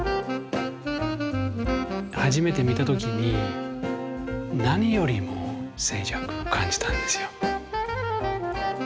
初めて見た時に何よりも静寂を感じたんですよ。